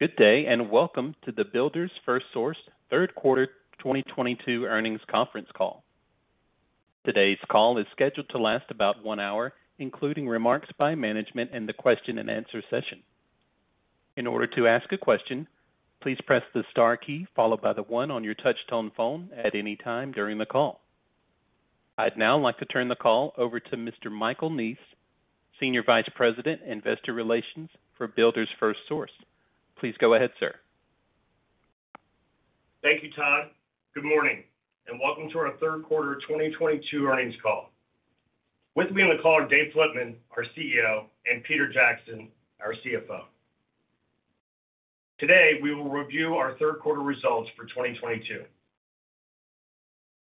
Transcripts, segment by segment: Good day. Welcome to the Builders FirstSource Third Quarter 2022 Earnings Conference Call. Today's call is scheduled to last about one hour, including remarks by management and the question-and-answer session. In order to ask a question, please press the star key followed by the one on your touch-tone phone at any time during the call. I'd now like to turn the call over to Mr. Michael Neese, Senior Vice President, Investor Relations, for Builders FirstSource. Please go ahead, sir. Thank you, Todd. Good morning. Welcome to our third quarter 2022 earnings call. With me on the call are Dave Flitman, our CEO, and Peter Jackson, our CFO. Today, we will review our third quarter results for 2022.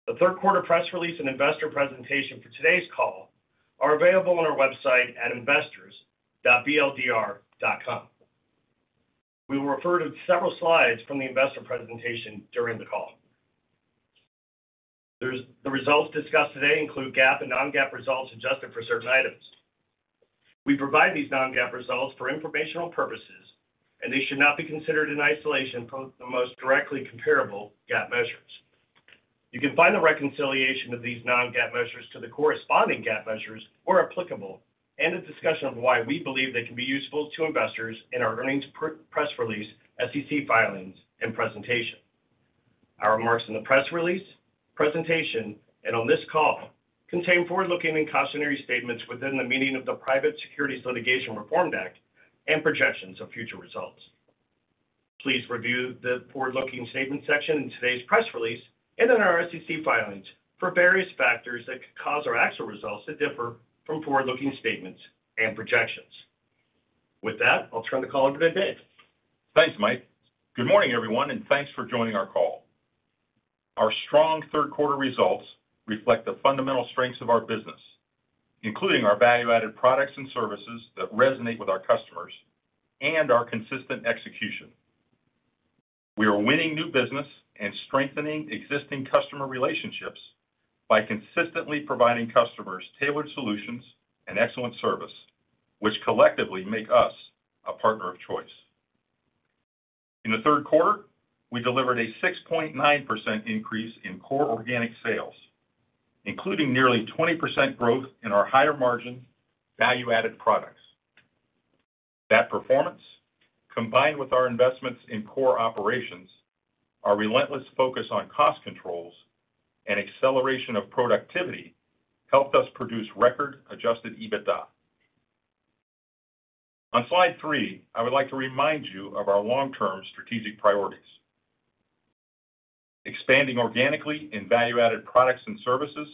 The third quarter press release and investor presentation for today's call are available on our website at investors.bldr.com. We will refer to several slides from the investor presentation during the call. The results discussed today include GAAP and non-GAAP results adjusted for certain items. We provide these non-GAAP results for informational purposes. They should not be considered in isolation from the most directly comparable GAAP measures. You can find the reconciliation of these non-GAAP measures to the corresponding GAAP measures, where applicable, and a discussion of why we believe they can be useful to investors in our earnings press release, SEC filings, and presentation. Our remarks in the press release, presentation, and on this call contain forward-looking and cautionary statements within the meaning of the Private Securities Litigation Reform Act and projections of future results. Please review the forward-looking statements section in today's press release and in our SEC filings for various factors that could cause our actual results to differ from forward-looking statements and projections. With that, I'll turn the call over to Dave. Thanks, Mike. Good morning, everyone. Thanks for joining our call. Our strong third quarter results reflect the fundamental strengths of our business, including our value-added products and services that resonate with our customers and our consistent execution. We are winning new business and strengthening existing customer relationships by consistently providing customers tailored solutions and excellent service, which collectively make us a partner of choice. In the third quarter, we delivered a 6.9% increase in core organic sales, including nearly 20% growth in our higher-margin, value-added products. That performance, combined with our investments in core operations, our relentless focus on cost controls, and acceleration of productivity, helped us produce record adjusted EBITDA. On slide three, I would like to remind you of our long-term strategic priorities: expanding organically in value-added products and services,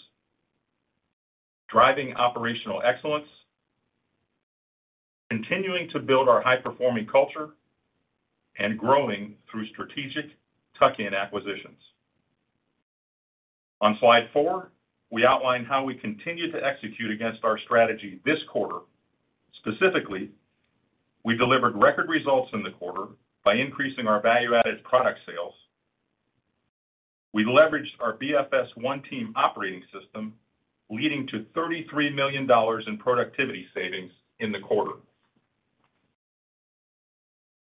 driving operational excellence, continuing to build our high-performing culture, and growing through strategic tuck-in acquisitions. On slide four, we outline how we continue to execute against our strategy this quarter. Specifically, we delivered record results in the quarter by increasing our value-added product sales. We leveraged our BFS One Team operating system, leading to $33 million in productivity savings in the quarter.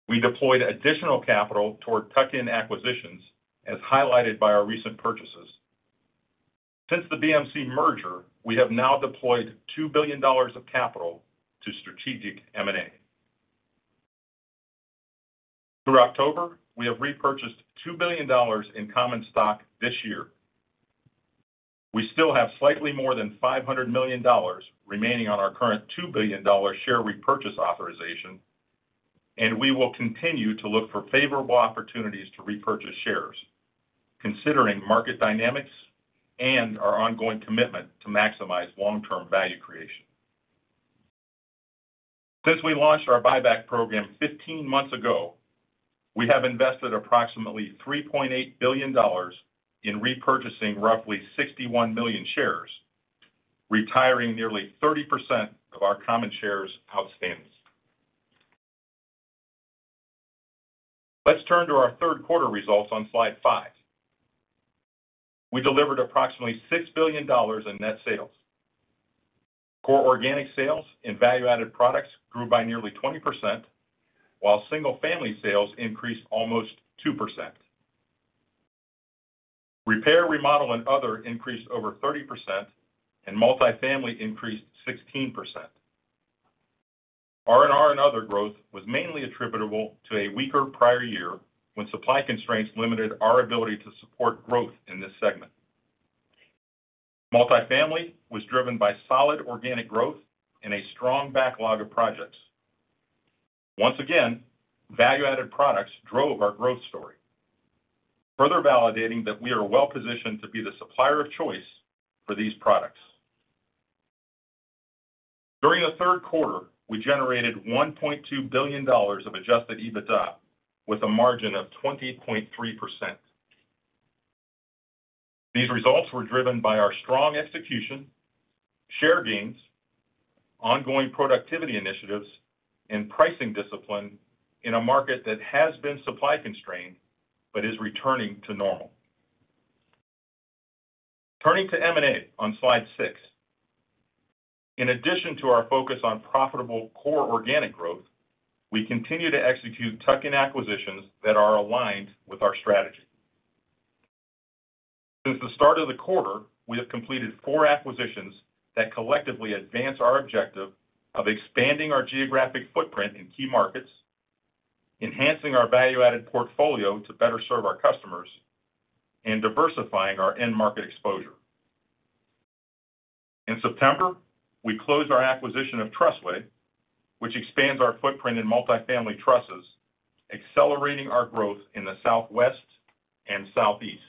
We deployed additional capital toward tuck-in acquisitions, as highlighted by our recent purchases. Since the BMC merger, we have now deployed $2 billion of capital to strategic M&A. Through October, we have repurchased $2 billion in common stock this year. We still have slightly more than $500 million remaining on our current $2 billion share repurchase authorization, and we will continue to look for favorable opportunities to repurchase shares, considering market dynamics and our ongoing commitment to maximize long-term value creation. Since we launched our buyback program 15 months ago, we have invested approximately $3.8 billion in repurchasing roughly 61 million shares, retiring nearly 30% of our common shares outstanding. Let's turn to our third quarter results on slide five. We delivered approximately $6 billion in net sales. Core organic sales and value-added products grew by nearly 20%, while single-family sales increased almost 2%. Repair, remodel, and other increased over 30%, and multifamily increased 16%. R&R and other growth was mainly attributable to a weaker prior year when supply constraints limited our ability to support growth in this segment. Multifamily was driven by solid organic growth and a strong backlog of projects. Once again, value-added products drove our growth story, further validating that we are well-positioned to be the supplier of choice for these products. During the third quarter, we generated $1.2 billion of adjusted EBITDA with a margin of 20.3%. These results were driven by our strong execution, share gains, ongoing productivity initiatives, and pricing discipline in a market that has been supply-constrained but is returning to normal. Turning to M&A on slide six. In addition to our focus on profitable core organic growth, we continue to execute tuck-in acquisitions that are aligned with our strategy. Since the start of the quarter, we have completed four acquisitions that collectively advance our objective of expanding our geographic footprint in key markets, enhancing our value-added portfolio to better serve our customers, and diversifying our end market exposure. In September, we closed our acquisition of Trussway, which expands our footprint in multifamily trusses, accelerating our growth in the Southwest and Southeast.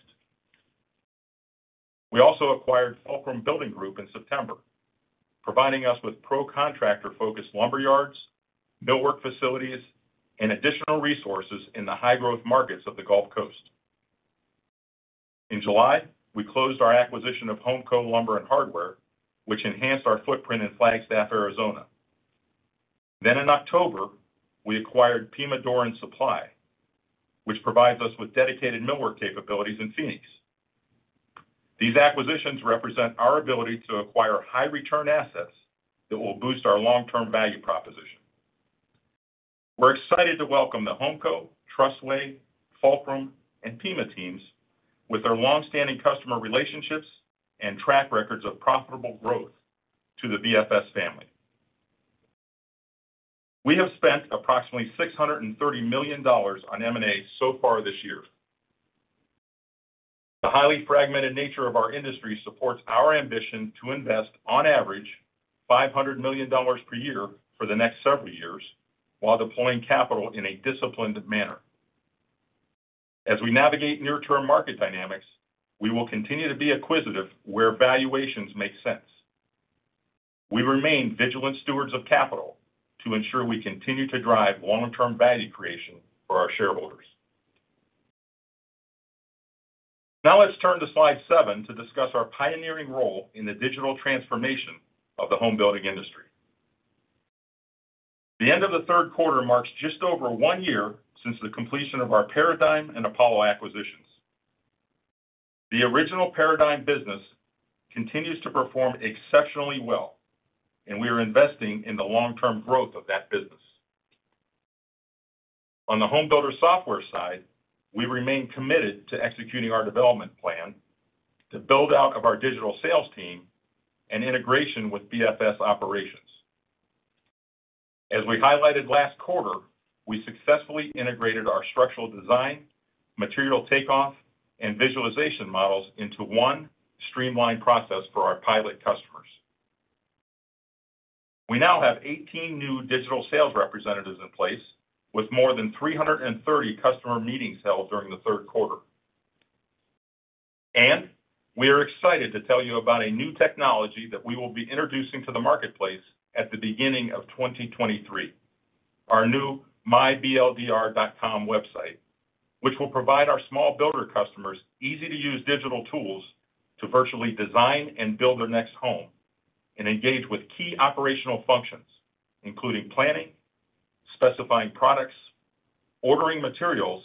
We also acquired Fulcrum Building Group in September, providing us with pro contractor-focused lumberyards, millwork facilities, and additional resources in the high-growth markets of the Gulf Coast. In July, we closed our acquisition of HomCo Lumber and Hardware, which enhanced our footprint in Flagstaff, Arizona. Then in October, we acquired Pima Door & Supply, which provides us with dedicated millwork capabilities in Phoenix. These acquisitions represent our ability to acquire high-return assets that will boost our long-term value proposition. We're excited to welcome the HomCo, Trussway, Fulcrum, and Pima teams with their long-standing customer relationships and track records of profitable growth to the BFS family. We have spent approximately $630 million on M&A so far this year. The highly fragmented nature of our industry supports our ambition to invest on average $500 million per year for the next several years while deploying capital in a disciplined manner. As we navigate near-term market dynamics, we will continue to be acquisitive where valuations make sense. We remain vigilant stewards of capital to ensure we continue to drive long-term value creation for our shareholders. Now let's turn to slide seven to discuss our pioneering role in the digital transformation of the home building industry. The end of the third quarter marks just over one year since the completion of our Paradigm and Apollo acquisitions. The original Paradigm business continues to perform exceptionally well, and we are investing in the long-term growth of that business. On the home builder software side, we remain committed to executing our development plan to build out of our digital sales team and integration with BFS operations. As we highlighted last quarter, we successfully integrated our structural design, material takeoff, and visualization models into one streamlined process for our pilot customers. We now have 18 new digital sales representatives in place with more than 330 customer meetings held during the third quarter. We are excited to tell you about a new technology that we will be introducing to the marketplace at the beginning of 2023. Our new myBLDR.com website, which will provide our small builder customers easy-to-use digital tools to virtually design and build their next home and engage with key operational functions, including planning, specifying products, ordering materials,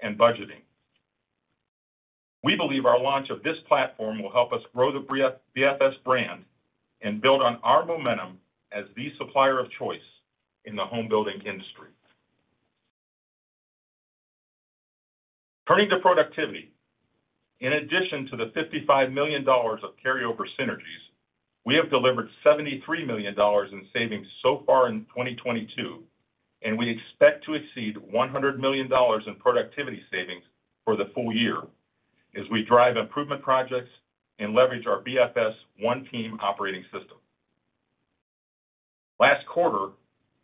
and budgeting. We believe our launch of this platform will help us grow the BFS brand and build on our momentum as the supplier of choice in the home building industry. Turning to productivity. In addition to the $55 million of carryover synergies, we have delivered $73 million in savings so far in 2022, and we expect to exceed $100 million in productivity savings for the full year as we drive improvement projects and leverage our BFS One Team operating system. Last quarter,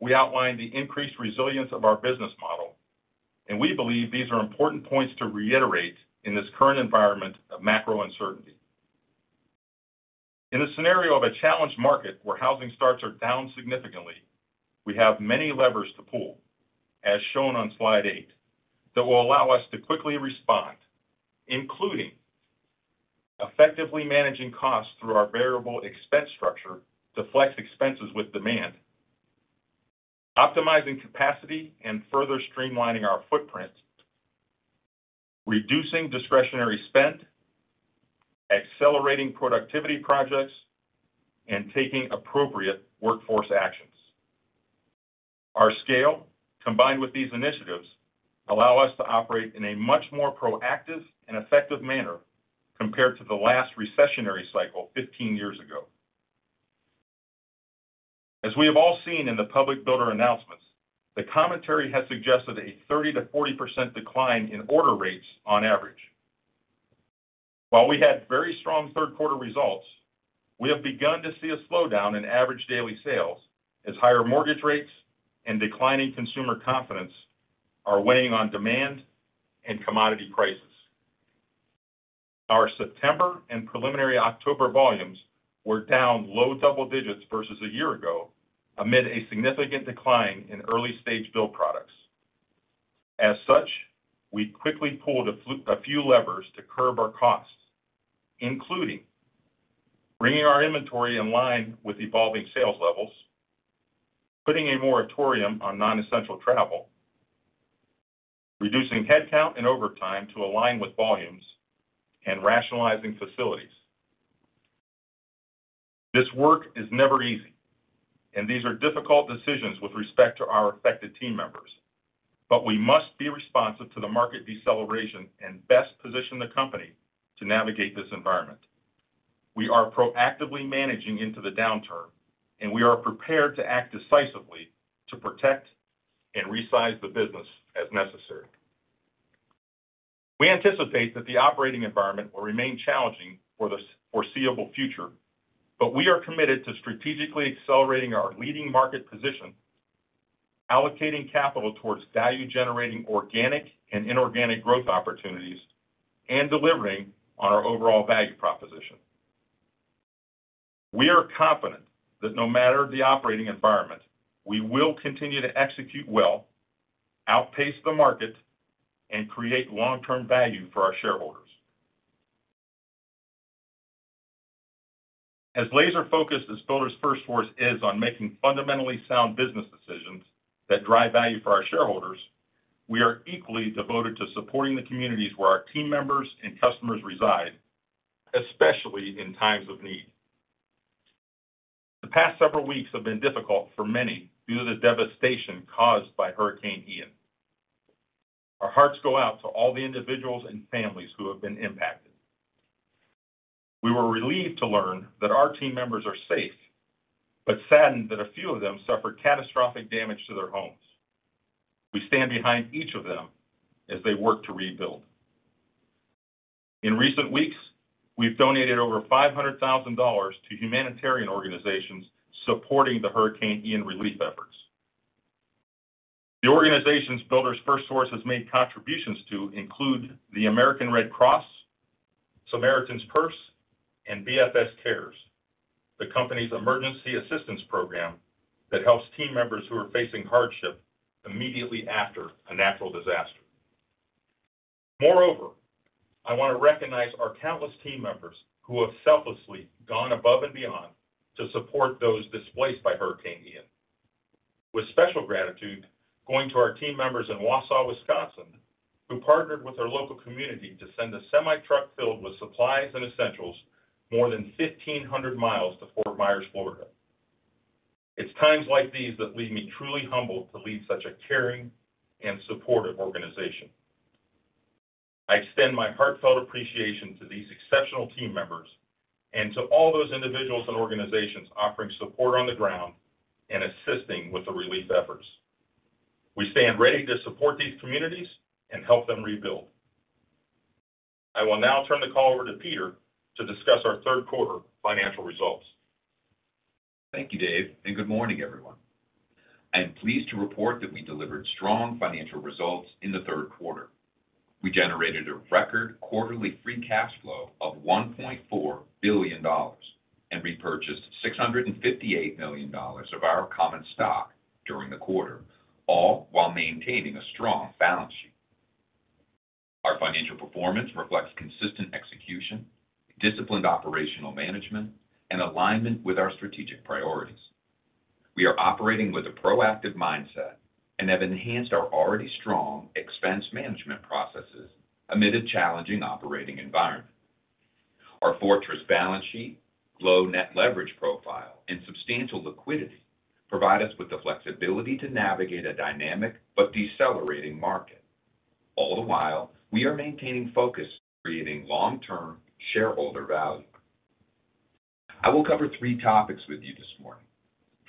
we outlined the increased resilience of our business model, and we believe these are important points to reiterate in this current environment of macro uncertainty. In a scenario of a challenged market where housing starts are down significantly, we have many levers to pull, as shown on slide eight, that will allow us to quickly respond, including effectively managing costs through our variable expense structure to flex expenses with demand, optimizing capacity, and further streamlining our footprint, reducing discretionary spend, accelerating productivity projects, and taking appropriate workforce actions. Our scale, combined with these initiatives, allow us to operate in a much more proactive and effective manner compared to the last recessionary cycle 15 years ago. As we have all seen in the public builder announcements, the commentary has suggested a 30%-40% decline in order rates on average. While we had very strong third-quarter results, we have begun to see a slowdown in average daily sales as higher mortgage rates and declining consumer confidence are weighing on demand and commodity prices. Our September and preliminary October volumes were down low double digits versus a year ago amid a significant decline in early-stage build products. As such, we quickly pulled a few levers to curb our costs, including bringing our inventory in line with evolving sales levels, putting a moratorium on non-essential travel, reducing headcount and overtime to align with volumes and rationalizing facilities. This work is never easy, and these are difficult decisions with respect to our affected team members. We must be responsive to the market deceleration and best position the company to navigate this environment. We are proactively managing into the downturn. We are prepared to act decisively to protect and resize the business as necessary. We anticipate that the operating environment will remain challenging for the foreseeable future. We are committed to strategically accelerating our leading market position, allocating capital towards value-generating organic and inorganic growth opportunities, and delivering on our overall value proposition. We are confident that no matter the operating environment, we will continue to execute well, outpace the market, and create long-term value for our shareholders. As laser-focused as Builders FirstSource is on making fundamentally sound business decisions that drive value for our shareholders, we are equally devoted to supporting the communities where our team members and customers reside, especially in times of need. The past several weeks have been difficult for many due to the devastation caused by Hurricane Ian. Our hearts go out to all the individuals and families who have been impacted. We were relieved to learn that our team members are safe. We are saddened that a few of them suffered catastrophic damage to their homes. We stand behind each of them as they work to rebuild. In recent weeks, we've donated over $500,000 to humanitarian organizations supporting the Hurricane Ian relief efforts. The organizations Builders FirstSource has made contributions to include the American Red Cross, Samaritan's Purse, and BFS Cares, the company's emergency assistance program that helps team members who are facing hardship immediately after a natural disaster. Moreover, I want to recognize our countless team members who have selflessly gone above and beyond to support those displaced by Hurricane Ian, with special gratitude going to our team members in Wausau, Wisconsin, who partnered with their local community to send a semi truck filled with supplies and essentials more than 1,500 miles to Fort Myers, Florida. It's times like these that leave me truly humbled to lead such a caring and supportive organization. I extend my heartfelt appreciation to these exceptional team members and to all those individuals and organizations offering support on the ground and assisting with the relief efforts. We stand ready to support these communities and help them rebuild. I will now turn the call over to Peter to discuss our third quarter financial results. Thank you, Dave. Good morning, everyone. I'm pleased to report that we delivered strong financial results in the third quarter. We generated a record quarterly free cash flow of $1.4 billion. We repurchased $658 million of our common stock during the quarter, all while maintaining a strong balance sheet. Our financial performance reflects consistent execution, disciplined operational management, and alignment with our strategic priorities. We are operating with a proactive mindset and have enhanced our already strong expense management processes amid a challenging operating environment. Our fortress balance sheet, low net leverage profile, and substantial liquidity provide us with the flexibility to navigate a dynamic but decelerating market. All the while, we are maintaining focus on creating long-term shareholder value. I will cover three topics with you this morning.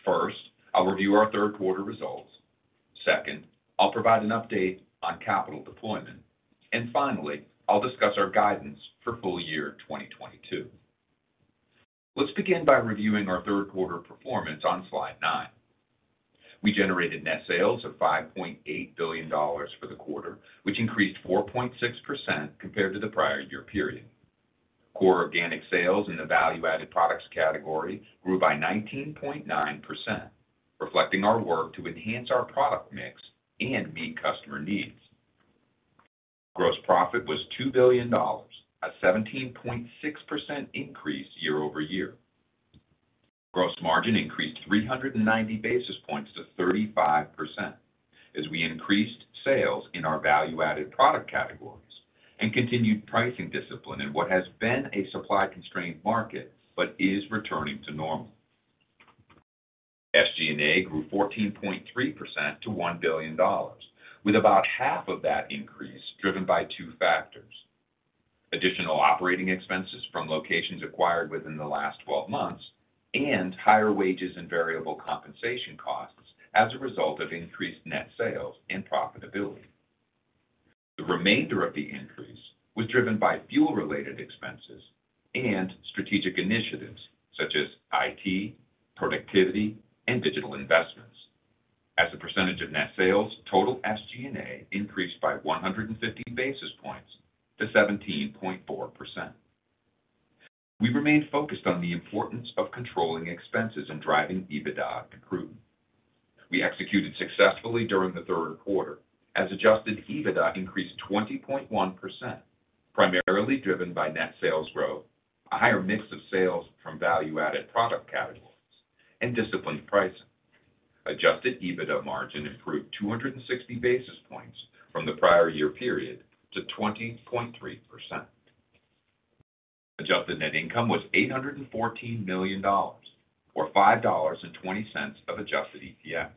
First, I'll review our third quarter results. Second, I'll provide an update on capital deployment. Finally, I'll discuss our guidance for full year 2022. Let's begin by reviewing our third quarter performance on slide nine. We generated net sales of $5.8 billion for the quarter, which increased 4.6% compared to the prior year period. Core organic sales in the value-added products category grew by 19.9%, reflecting our work to enhance our product mix and meet customer needs. Gross profit was $2 billion, a 17.6% increase year-over-year. Gross margin increased 390 basis points to 35% as we increased sales in our value-added product categories and continued pricing discipline in what has been a supply-constrained market, but is returning to normal. SG&A grew 14.3% to $1 billion, with about half of that increase driven by two factors. Additional operating expenses from locations acquired within the last 12 months, and higher wages and variable compensation costs as a result of increased net sales and profitability. The remainder of the increase was driven by fuel-related expenses and strategic initiatives such as IT, productivity, and digital investments. As a percentage of net sales, total SG&A increased by 150 basis points to 17.4%. We remain focused on the importance of controlling expenses and driving EBITDA improvement. We executed successfully during the third quarter as adjusted EBITDA increased 20.1%, primarily driven by net sales growth, a higher mix of sales from value-added product categories and disciplined pricing. Adjusted EBITDA margin improved 260 basis points from the prior year period to 20.3%. Adjusted net income was $814 million, or $5.20 of adjusted EPS,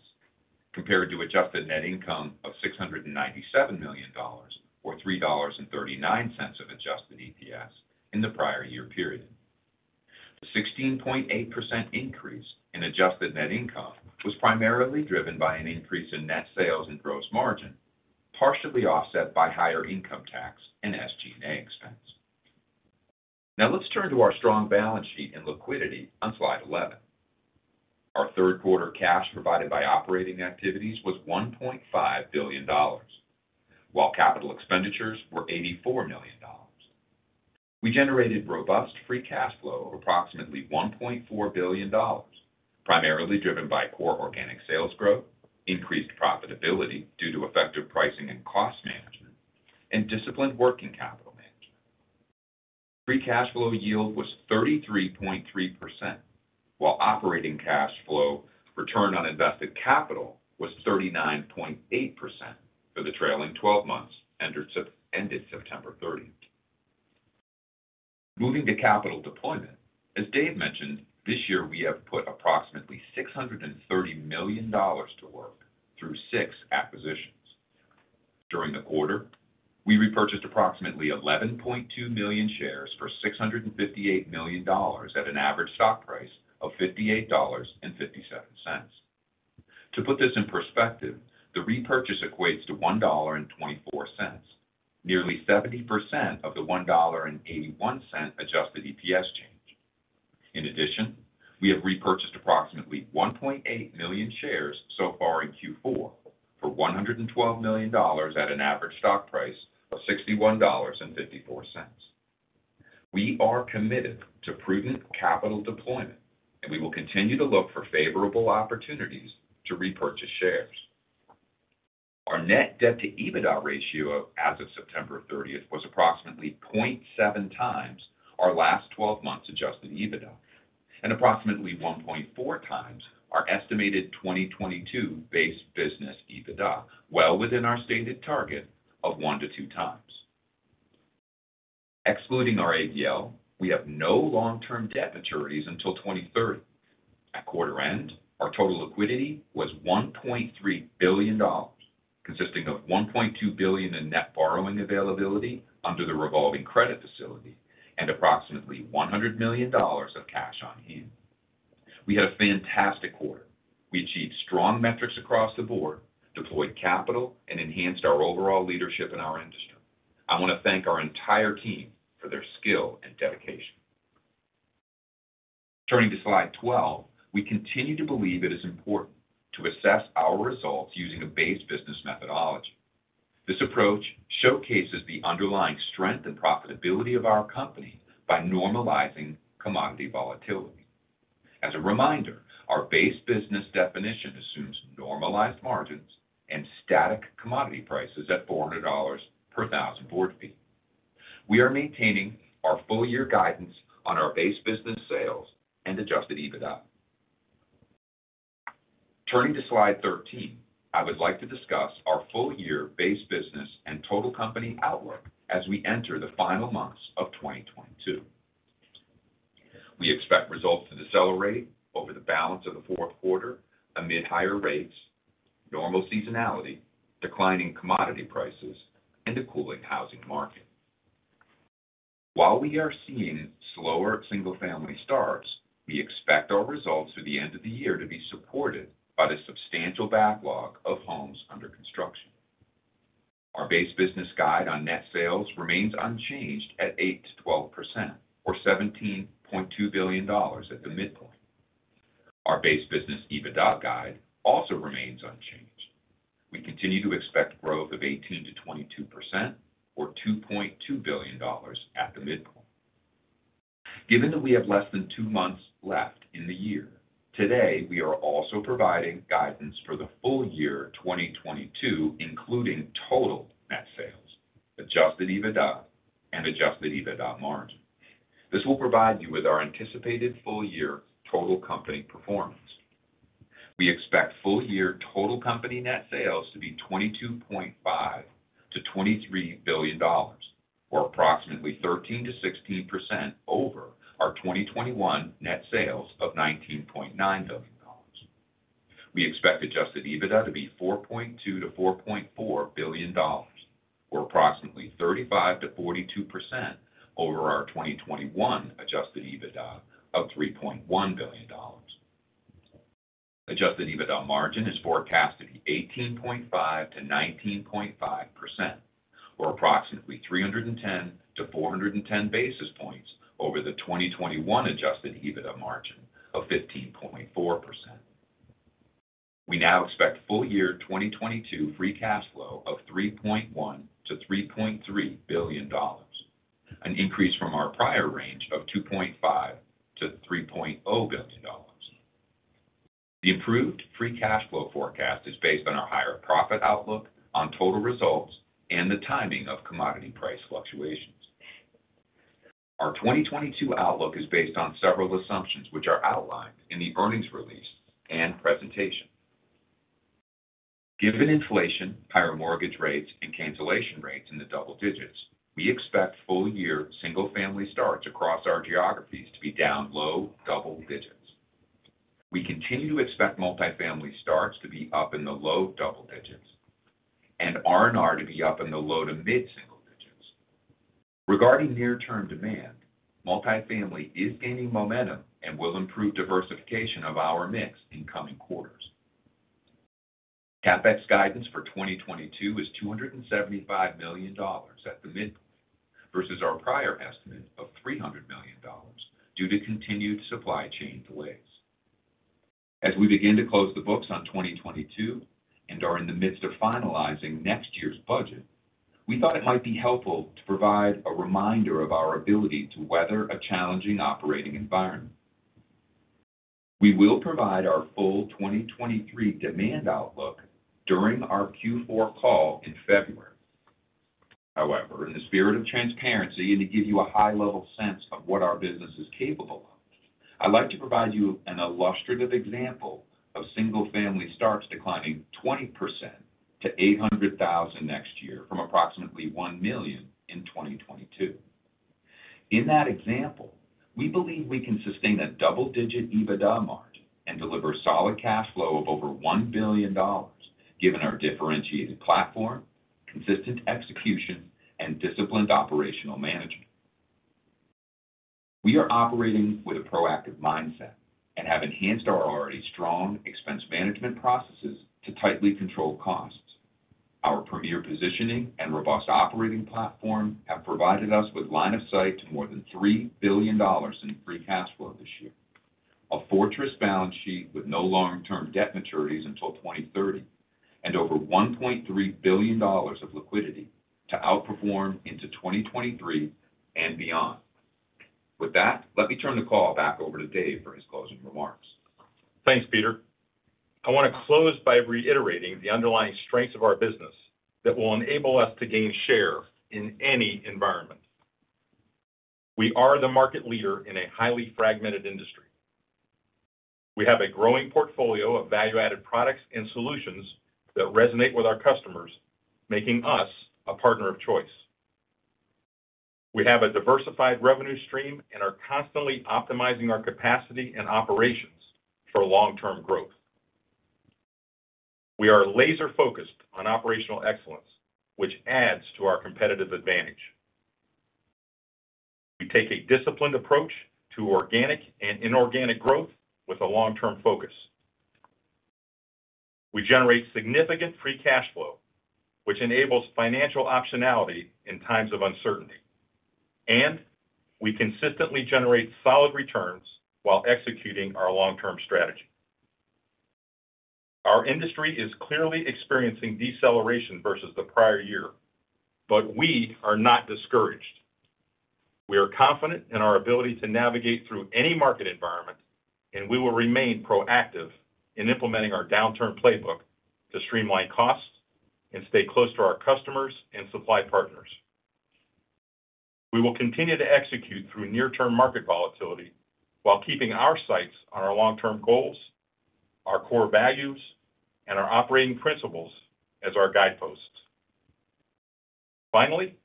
compared to adjusted net income of $697 million, or $3.39 of adjusted EPS in the prior year period. The 16.8% increase in adjusted net income was primarily driven by an increase in net sales and gross margin, partially offset by higher income tax and SG&A expense. Let's turn to our strong balance sheet and liquidity on slide 11. Our third quarter cash provided by operating activities was $1.5 billion, while capital expenditures were $84 million. We generated robust free cash flow of approximately $1.4 billion, primarily driven by core organic sales growth, increased profitability due to effective pricing and cost management, and disciplined working capital management. Free cash flow yield was 33.3%, while operating cash flow return on invested capital was 39.8% for the trailing 12 months, ended September 30th. Moving to capital deployment. As Dave mentioned, this year we have put approximately $630 million to work through six acquisitions. During the quarter, we repurchased approximately 11.2 million shares for $658 million at an average stock price of $58.57. To put this in perspective, the repurchase equates to $1.24, nearly 70% of the $1.81 adjusted EPS change. In addition, we have repurchased approximately 1.8 million shares so far in Q4 for $112 million at an average stock price of $61.54. We are committed to prudent capital deployment, and we will continue to look for favorable opportunities to repurchase shares. Our net debt to EBITDA ratio as of September 30th was approximately 0.7 times our last 12 months adjusted EBITDA and approximately 1.4 times our estimated 2022 base business EBITDA, well within our stated target of one to two times. Excluding our ABL, we have no long-term debt maturities until 2030. At quarter end, our total liquidity was $1.3 billion, consisting of $1.2 billion in net borrowing availability under the revolving credit facility and approximately $100 million of cash on hand. We had a fantastic quarter. We achieved strong metrics across the board, deployed capital, and enhanced our overall leadership in our industry. I want to thank our entire team for their skill and dedication. Turning to slide 12, we continue to believe it is important to assess our results using a base business methodology. This approach showcases the underlying strength and profitability of our company by normalizing commodity volatility. As a reminder, our base business definition assumes normalized margins and static commodity prices at $400 per thousand board feet. We are maintaining our full year guidance on our base business sales and adjusted EBITDA. Turning to slide 13, I would like to discuss our full year base business and total company outlook as we enter the final months of 2022. We expect results to decelerate over the balance of the fourth quarter amid higher rates, normal seasonality, declining commodity prices, and a cooling housing market. While we are seeing slower single-family starts, we expect our results through the end of the year to be supported by the substantial backlog of homes under construction. Our base business guide on net sales remains unchanged at 8%-12%, or $17.2 billion at the midpoint. Our base business EBITDA guide also remains unchanged. We continue to expect growth of 18%-22%, or $2.2 billion at the midpoint. Given that we have less than two months left in the year, today, we are also providing guidance for the full year 2022, including total net sales, adjusted EBITDA, and adjusted EBITDA margin. This will provide you with our anticipated full year total company performance. We expect full year total company net sales to be $22.5 billion-$23 billion, or approximately 13%-16% over our 2021 net sales of $19.9 billion. We expect adjusted EBITDA to be $4.2 billion-$4.4 billion, or approximately 35%-42% over our 2021 adjusted EBITDA of $3.1 billion. Adjusted EBITDA margin is forecast to be 18.5%-19.5%, or approximately 310 to 410 basis points over the 2021 adjusted EBITDA margin of 15.4%. We now expect full year 2022 free cash flow of $3.1 billion-$3.3 billion, an increase from our prior range of $2.5 billion-$3.0 billion. The improved free cash flow forecast is based on our higher profit outlook on total results and the timing of commodity price fluctuations. Our 2022 outlook is based on several assumptions which are outlined in the earnings release and presentation. Given inflation, higher mortgage rates, and cancellation rates in the double digits, we expect full-year single-family starts across our geographies to be down low double digits. We continue to expect multi-family starts to be up in the low double digits, and R&R to be up in the low to mid-single digits. Regarding near-term demand, multi-family is gaining momentum and will improve diversification of our mix in coming quarters. CapEx guidance for 2022 is $275 million at the midpoint versus our prior estimate of $300 million due to continued supply chain delays. As we begin to close the books on 2022 and are in the midst of finalizing next year's budget, we thought it might be helpful to provide a reminder of our ability to weather a challenging operating environment. We will provide our full 2023 demand outlook during our Q4 call in February. In the spirit of transparency and to give you a high-level sense of what our business is capable of, I'd like to provide you an illustrative example of single-family starts declining 20% to 800,000 next year from approximately 1 million in 2022. In that example, we believe we can sustain a double-digit EBITDA margin and deliver solid cash flow of over $1 billion, given our differentiated platform, consistent execution, and disciplined operational management. We are operating with a proactive mindset and have enhanced our already strong expense management processes to tightly control costs. Our premier positioning and robust operating platform have provided us with line of sight to more than $3 billion in free cash flow this year. A fortress balance sheet with no long-term debt maturities until 2030 and over $1.3 billion of liquidity to outperform into 2023 and beyond. Let me turn the call back over to Dave for his closing remarks. Thanks, Peter. I want to close by reiterating the underlying strengths of our business that will enable us to gain share in any environment. We are the market leader in a highly fragmented industry. We have a growing portfolio of value-added products and solutions that resonate with our customers, making us a partner of choice. We have a diversified revenue stream and are constantly optimizing our capacity and operations for long-term growth. We are laser-focused on operational excellence, which adds to our competitive advantage. We take a disciplined approach to organic and inorganic growth with a long-term focus. We generate significant free cash flow, which enables financial optionality in times of uncertainty, and we consistently generate solid returns while executing our long-term strategy. Our industry is clearly experiencing deceleration versus the prior year. We are not discouraged. We are confident in our ability to navigate through any market environment. We will remain proactive in implementing our downturn playbook to streamline costs and stay close to our customers and supply partners. We will continue to execute through near-term market volatility while keeping our sights on our long-term goals, our core values, and our operating principles as our guideposts. Finally,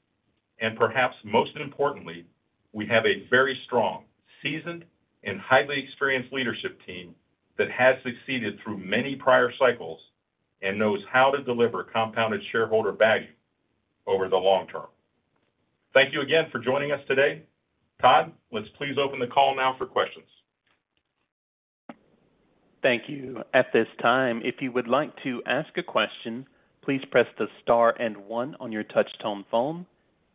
perhaps most importantly, we have a very strong, seasoned, and highly experienced leadership team that has succeeded through many prior cycles and knows how to deliver compounded shareholder value over the long term. Thank you again for joining us today. Todd, let's please open the call now for questions. Thank you. At this time, if you would like to ask a question, please press the star and one on your touch-tone phone.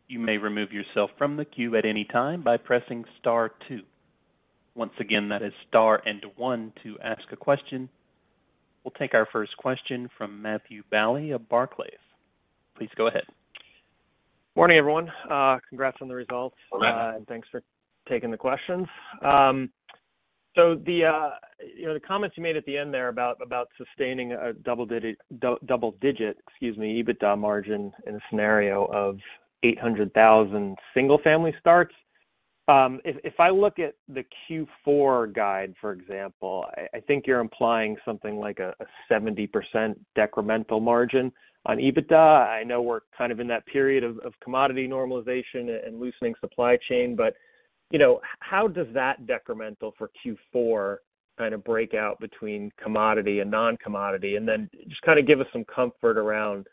You may remove yourself from the queue at any time by pressing star two. Once again, that is star and one to ask a question. We'll take our first question from Matthew Bouley of Barclays. Please go ahead. Morning, everyone. Congrats on the results. Good morning. Thanks for taking the questions. The comments you made at the end there about sustaining a double-digit, excuse me, EBITDA margin in a scenario of 800,000 single-family starts. If I look at the Q4 guide, for example, I think you're implying something like a 70% decremental margin on EBITDA. I know we're kind of in that period of commodity normalization and loosening supply chain. How does that decremental for Q4 kind of break out between commodity and non-commodity? Then just kind of give us some comfort around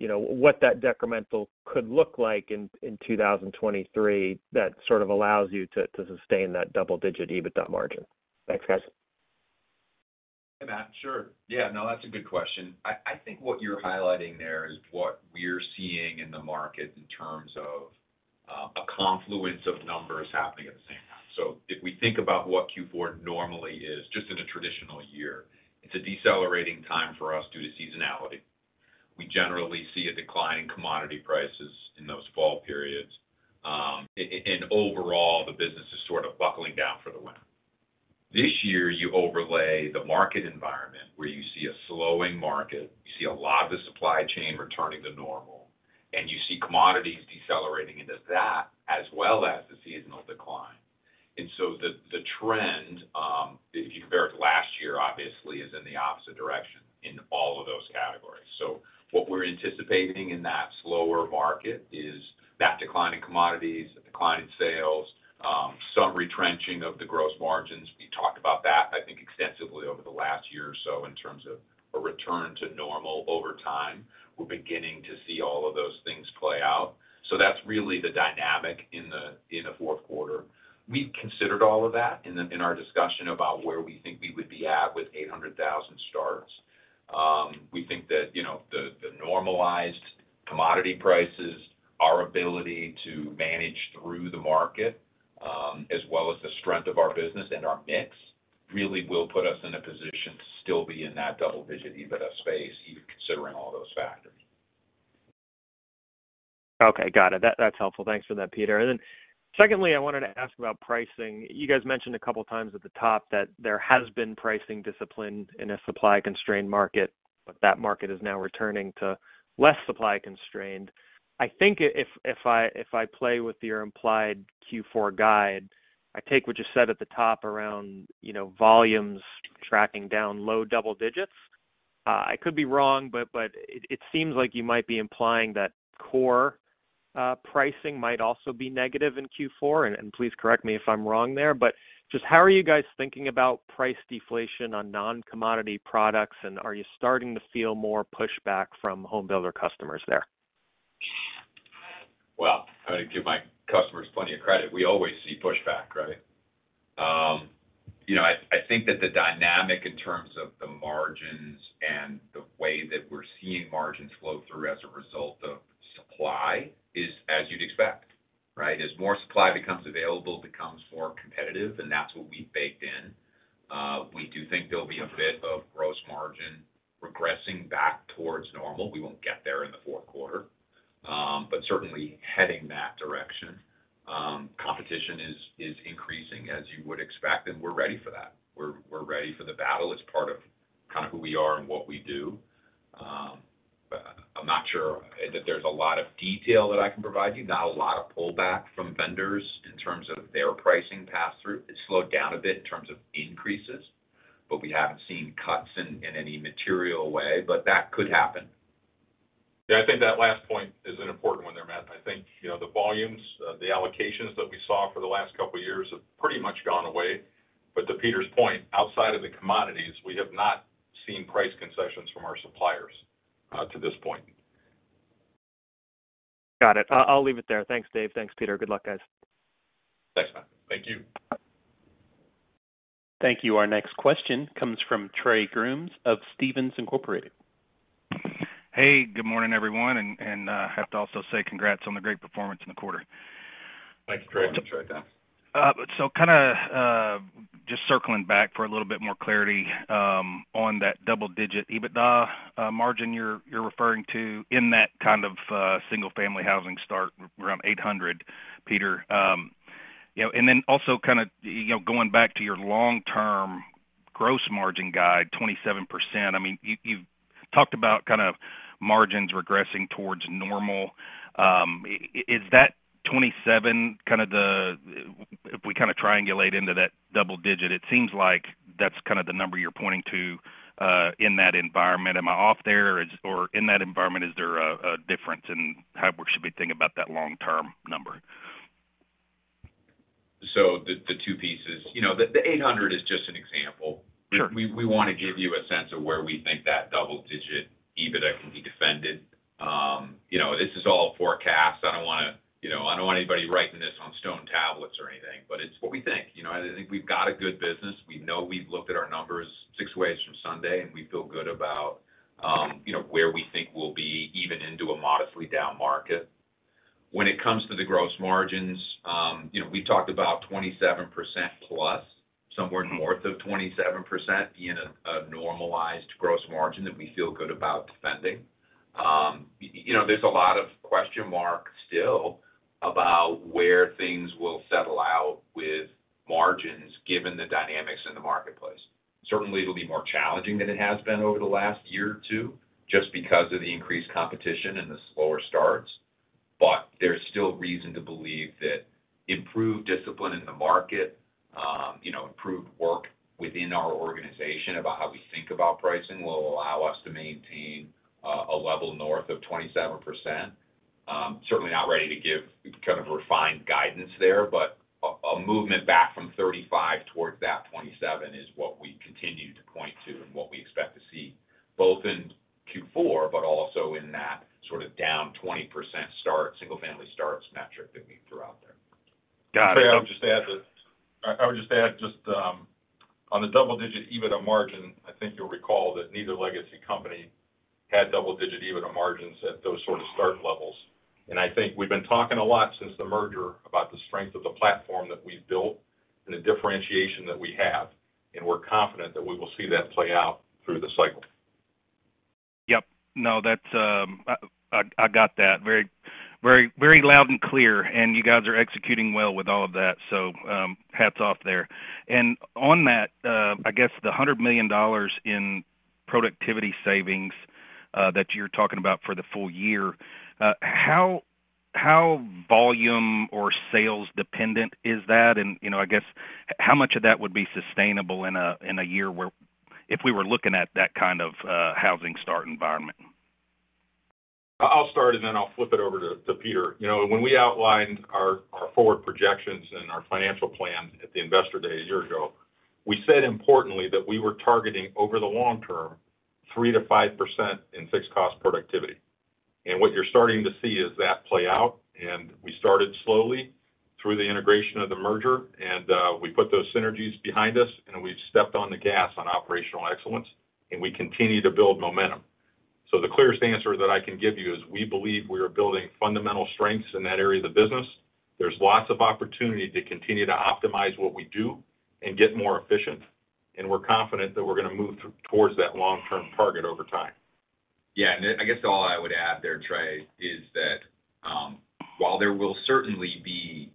what that decremental could look like in 2023 that sort of allows you to sustain that double-digit EBITDA margin. Thanks, guys. Hey, Matt. Sure. Yeah, no, that's a good question. I think what you're highlighting there is what we're seeing in the market in terms of a confluence of numbers happening at the same time. If we think about what Q4 normally is, just in a traditional year, it's a decelerating time for us due to seasonality. We generally see a decline in commodity prices in those fall periods. Overall, the business is sort of buckling down for This year. You overlay the market environment where you see a slowing market, you see a lot of the supply chain returning to normal, you see commodities decelerating into that, as well as the seasonal decline. The trend, if you compare it to last year, obviously, is in the opposite direction in all of those categories. What we're anticipating in that slower market is that decline in commodities, a decline in sales, some retrenching of the gross margins. We talked about that, I think, extensively over the last year or so in terms of a return to normal over time. We're beginning to see all of those things play out. That's really the dynamic in the fourth quarter. We've considered all of that in our discussion about where we think we would be at with 800,000 starts. We think that the normalized commodity prices, our ability to manage through the market, as well as the strength of our business and our mix, really will put us in a position to still be in that double-digit EBITDA space, even considering all those factors. Okay. Got it. That's helpful. Thanks for that, Peter. Secondly, I wanted to ask about pricing. You guys mentioned a couple of times at the top that there has been pricing discipline in a supply-constrained market, that market is now returning to less supply-constrained. I think if I play with your implied Q4 guide, I take what you said at the top around volumes tracking down low double digits. I could be wrong, it seems like you might be implying that core pricing might also be negative in Q4, please correct me if I'm wrong there. Just how are you guys thinking about price deflation on non-commodity products, and are you starting to feel more pushback from home builder customers there? Well, I give my customers plenty of credit. We always see pushback, right? I think that the dynamic in terms of the margins and the way that we're seeing margins flow through as a result of supply is as you'd expect, right? As more supply becomes available, it becomes more competitive, that's what we've baked in. We do think there'll be a bit of gross margin regressing back towards normal. We won't get there in the fourth quarter. Certainly heading that direction. Competition is increasing as you would expect, we're ready for that. We're ready for the battle. It's part of kind of who we are and what we do. I'm not sure that there's a lot of detail that I can provide you. Not a lot of pullback from vendors in terms of their pricing passthrough. It slowed down a bit in terms of increases, but we haven't seen cuts in any material way, but that could happen. Yeah, I think that last point is an important one there, Matt. I think the volumes, the allocations that we saw for the last couple of years have pretty much gone away. To Peter's point, outside of the commodities, we have not seen price concessions from our suppliers to this point. Got it. I'll leave it there. Thanks, Dave. Thanks, Peter. Good luck, guys. Thanks, Matt. Thank you. Thank you. Our next question comes from Trey Grooms of Stephens Inc.. Hey, good morning everyone, have to also say congrats on the great performance in the quarter. Thanks, Trey. Good morning, Trey. Kind of just circling back for a little bit more clarity on that double-digit EBITDA margin you're referring to in that kind of single-family housing start around 800, Peter. Also kind of going back to your long-term gross margin guide, 27%. You've talked about kind of margins regressing towards normal. Is that 27 kind of the if we kind of triangulate into that double digit, it seems like that's kind of the number you're pointing to in that environment. Am I off there? Or in that environment, is there a difference in how we should be thinking about that long-term number? The two pieces. The 800 is just an example. Sure. We want to give you a sense of where we think that double-digit EBITDA can be defended. This is all forecast. I don't want anybody writing this on stone tablets or anything, but it's what we think. I think we've got a good business. We know we've looked at our numbers six ways from Sunday, and we feel good about where we think we'll be even into a modestly down market. When it comes to the gross margins, we talked about 27% plus, somewhere north of 27% being a normalized gross margin that we feel good about defending. There's a lot of question marks still about where things will settle out with margins given the dynamics in the marketplace. Certainly, it'll be more challenging than it has been over the last year or two just because of the increased competition and the slower starts. There's still reason to believe that improved discipline in the market, improved work within our organization about how we think about pricing will allow us to maintain a level north of 27%. Certainly not ready to give kind of refined guidance there, a movement back from 35% towards that 27% is what we continue to point to and what we expect to see both in Q4, also in that sort of down 20% single-family starts metric that we threw out there. Got it. Trey, I would just add just on the double-digit EBITDA margin, I think you'll recall that neither legacy company had double-digit EBITDA margins at those sort of start levels. I think we've been talking a lot since the merger about the strength of the platform that we've built and the differentiation that we have, and we're confident that we will see that play out through the cycle. Yep. No, I got that very loud and clear. You guys are executing well with all of that, so hats off there. On that, I guess the $100 million in productivity savings that you're talking about for the full year, how volume or sales-dependent is that? And I guess, how much of that would be sustainable in a year if we were looking at that kind of housing start environment? I'll start, and then I'll flip it over to Peter. When we outlined our forward projections and our financial plan at the investor day a year ago, we said importantly that we were targeting, over the long term, 3%-5% in fixed cost productivity. What you're starting to see is that play out, and we started slowly through the integration of the merger, and we put those synergies behind us, and we've stepped on the gas on operational excellence, and we continue to build momentum. The clearest answer that I can give you is we believe we are building fundamental strengths in that area of the business. There's lots of opportunity to continue to optimize what we do and get more efficient. We're confident that we're going to move towards that long-term target over time. I guess all I would add there, Trey, is that while there will certainly be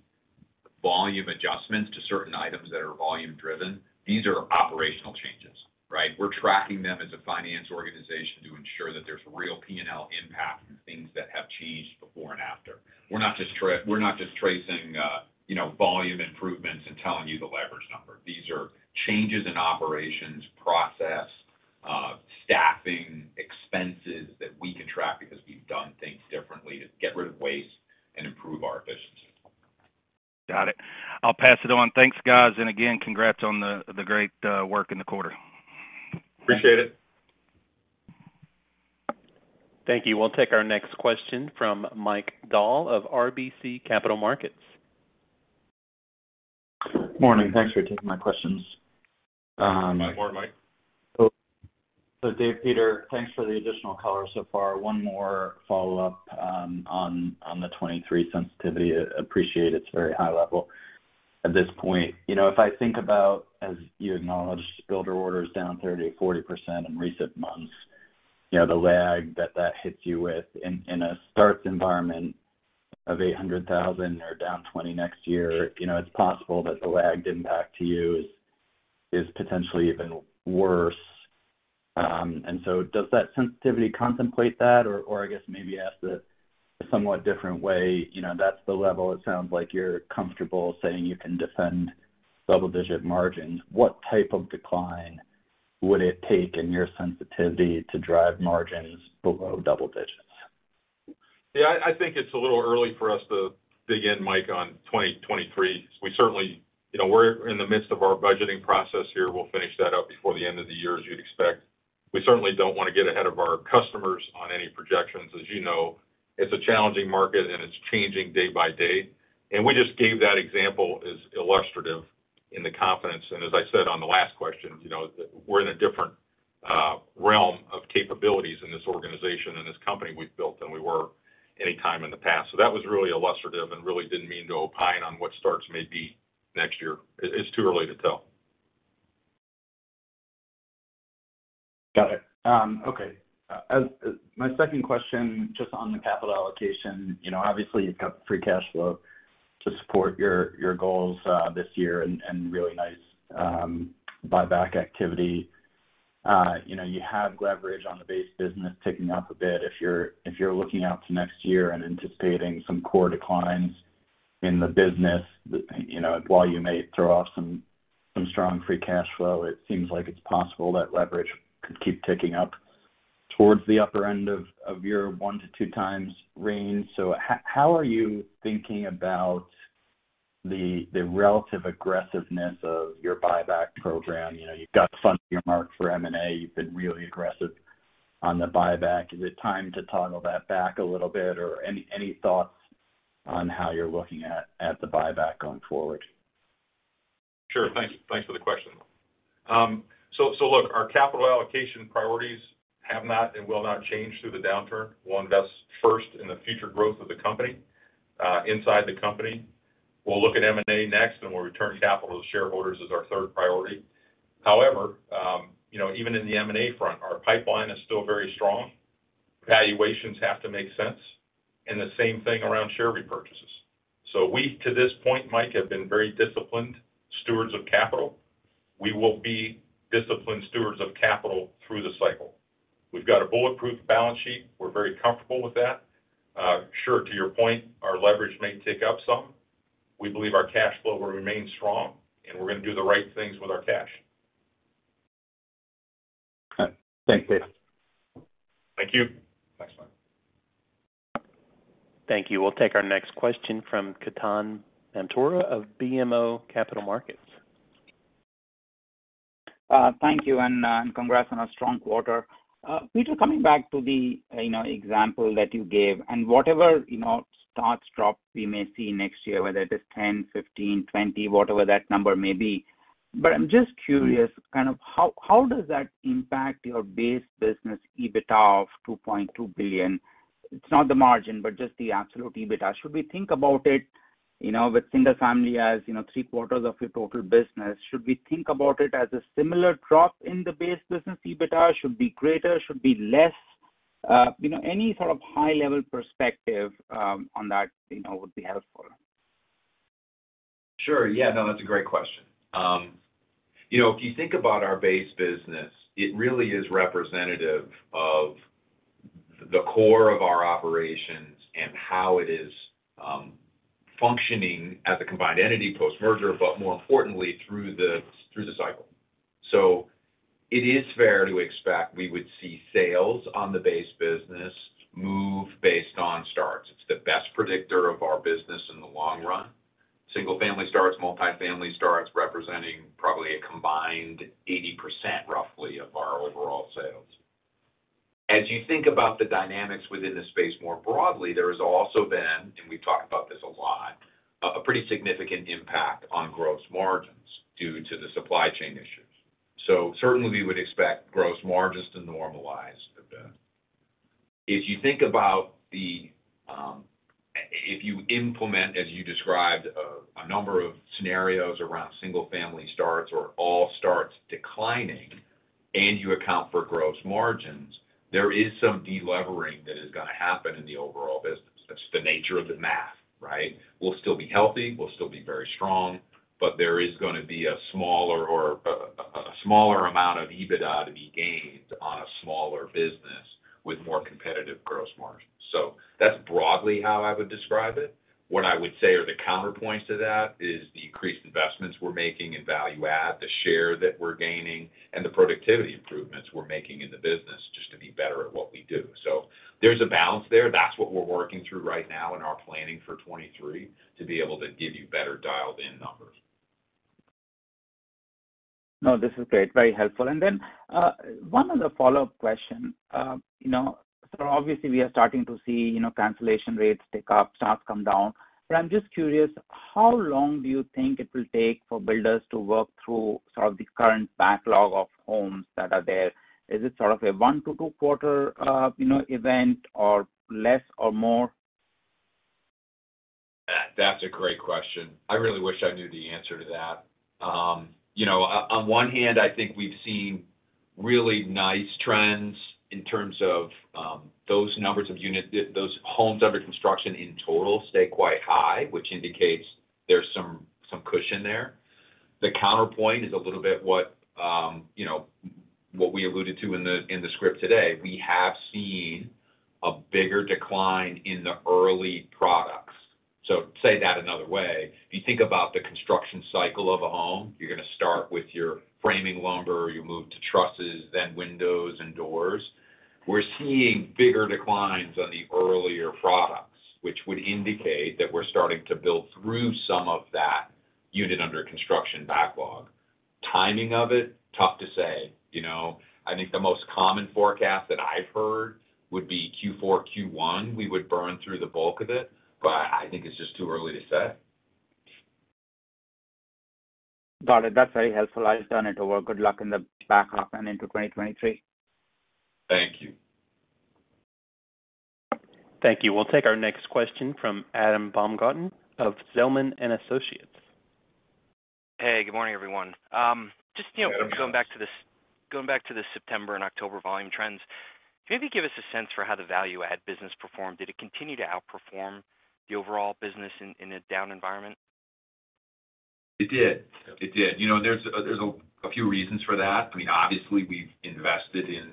volume adjustments to certain items that are volume-driven, these are operational changes, right? We're tracking them as a finance organization to ensure that there's real P&L impact from things that have changed before and after. We're not just tracing volume improvements and telling you the leverage number. These are changes in operations, process, staffing, expenses that we can track because we've done things differently to get rid of waste and improve our efficiency. Got it. I'll pass it on. Thanks, guys. Again, congrats on the great work in the quarter. Appreciate it. Thank you. We'll take our next question from Mike Dahl of RBC Capital Markets. Morning. Thanks for taking my questions. Good morning, Mike. Dave, Peter, thanks for the additional color so far. One more follow-up on the 2023 sensitivity. Appreciate it's very high level at this point. If I think about, as you acknowledged, builder orders down 30%-40% in recent months, the lag that that hits you with in a starts environment of 800,000 or down 20% next year, it's possible that the lagged impact to you is potentially even worse. Does that sensitivity contemplate that? I guess maybe ask it a somewhat different way, that's the level it sounds like you're comfortable saying you can defend double-digit margins. What type of decline would it take in your sensitivity to drive margins below double digits? Yeah, I think it's a little early for us to dig in, Mike, on 2023. We're in the midst of our budgeting process here. We'll finish that up before the end of the year, as you'd expect. We certainly don't want to get ahead of our customers on any projections. As you know, it's a challenging market, and it's changing day by day. We just gave that example as illustrative in the confidence. As I said on the last question, we're in a different realm of capabilities in this organization and this company we've built than we were any time in the past. That was really illustrative and really didn't mean to opine on what starts may be next year. It's too early to tell. Got it. Okay. My second question, just on the capital allocation. Obviously you've got the free cash flow to support your goals this year and really nice buyback activity. You have leverage on the base business ticking up a bit. If you're looking out to next year and anticipating some core declines in the business, while you may throw off some strong free cash flow, it seems like it's possible that leverage could keep ticking up towards the upper end of your one to two times range. How are you thinking about the relative aggressiveness of your buyback program? You've got funding earmarked for M&A. You've been really aggressive on the buyback. Is it time to toggle that back a little bit? Any thoughts on how you're looking at the buyback going forward? Sure. Thanks for the question. Look, our capital allocation priorities have not and will not change through the downturn. We'll invest first in the future growth of the company, inside the company. We'll look at M&A next, and we'll return capital to shareholders as our third priority. However, even in the M&A front, our pipeline is still very strong. Valuations have to make sense. The same thing around share repurchases. We, to this point, Mike, have been very disciplined stewards of capital. We will be disciplined stewards of capital through the cycle. We've got a bulletproof balance sheet. We're very comfortable with that. Sure, to your point, our leverage may tick up some. We believe our cash flow will remain strong, and we're going to do the right things with our cash. Thanks, Dave. Thank you. Thanks, Mike. Thank you. We'll take our next question from Ketan Mamtora of BMO Capital Markets. Thank you. Congrats on a strong quarter. Peter, coming back to the example that you gave and whatever starts drop we may see next year, whether it is 10, 15, 20, whatever that number may be. I'm just curious, how does that impact your base business EBIT of $2.2 billion? It's not the margin, but just the absolute EBIT. With single family as three-quarters of your total business, should we think about it as a similar drop in the base business EBITDA? Should it be greater? Should it be less? Any sort of high-level perspective on that would be helpful. Sure. Yeah, no, that's a great question. If you think about our base business, it really is representative of the core of our operations and how it is functioning as a combined entity post-merger, but more importantly, through the cycle. It is fair to expect we would see sales on the base business move based on starts. It's the best predictor of our business in the long run. Single-family starts, multi-family starts, representing probably a combined 80%, roughly, of our overall sales. As you think about the dynamics within the space more broadly, there has also been, and we've talked about this a lot, a pretty significant impact on gross margins due to the supply chain issues. Certainly, we would expect gross margins to normalize a bit. If you implement, as you described, a number of scenarios around single-family starts or all starts declining, and you account for gross margins, there is some de-levering that is going to happen in the overall business. That's the nature of the math, right? We'll still be healthy, we'll still be very strong, but there is going to be a smaller amount of EBITDA to be gained on a smaller business with more competitive gross margins. That's broadly how I would describe it. What I would say are the counterpoints to that is the increased investments we're making in value add, the share that we're gaining, and the productivity improvements we're making in the business just to be better at what we do. There's a balance there. That's what we're working through right now in our planning for 2023, to be able to give you better dialed-in numbers. No, this is great. Very helpful. One other follow-up question. Obviously, we are starting to see cancellation rates tick up, stocks come down, but I'm just curious, how long do you think it will take for builders to work through the current backlog of homes that are there? Is it a 1 to 2-quarter event, or less, or more? That's a great question. I really wish I knew the answer to that. On one hand, I think we've seen really nice trends in terms of those homes under construction in total stay quite high, which indicates there's some cushion there. The counterpoint is a little bit what we alluded to in the script today. We have seen a bigger decline in the early products. Say that another way, if you think about the construction cycle of a home, you're going to start with your framing lumber, you move to trusses, then windows and doors. We're seeing bigger declines on the earlier products, which would indicate that we're starting to build through some of that unit under construction backlog. Timing of it, tough to say. I think the most common forecast that I've heard would be Q4, Q1, we would burn through the bulk of it, but I think it's just too early to say. Got it. That's very helpful. I'll turn it over. Good luck in the back half and into 2023. Thank you. Thank you. We'll take our next question from Adam Baumgarten of Zelman & Associates. Hey, good morning, everyone. Good morning. Just going back to the September and October volume trends, can you maybe give us a sense for how the value-add business performed? Did it continue to outperform the overall business in a down environment? It did. There's a few reasons for that. Obviously, we've invested in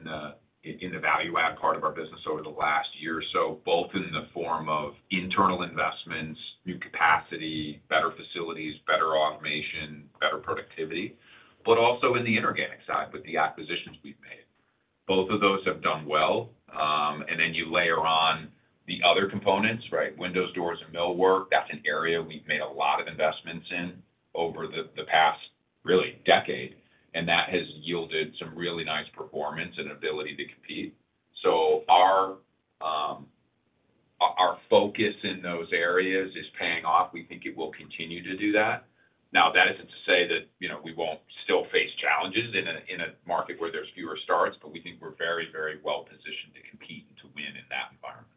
the value-add part of our business over the last year or so, both in the form of internal investments, new capacity, better facilities, better automation, better productivity, but also in the inorganic side with the acquisitions we've made. Both of those have done well. You layer on the other components, windows, doors, and millwork. That's an area we've made a lot of investments in over the past, really, decade, and that has yielded some really nice performance and ability to compete. Our focus in those areas is paying off. We think it will continue to do that. Now, that isn't to say that we won't still face challenges in a market where there's fewer starts, but we think we're very well positioned to compete and to win in that environment.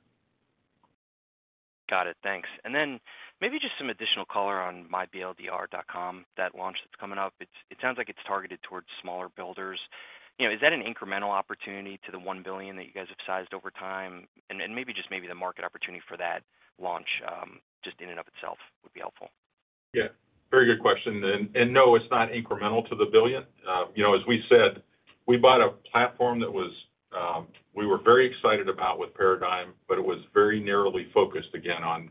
Got it. Thanks. Then maybe just some additional color on myBLDR.com, that launch that's coming up. It sounds like it's targeted towards smaller builders. Is that an incremental opportunity to the $1 billion that you guys have sized over time? And maybe just the market opportunity for that launch, just in and of itself, would be helpful. Yeah. Very good question. No, it's not incremental to the billion. As we said, we bought a platform that we were very excited about with Paradigm, but it was very narrowly focused, again, on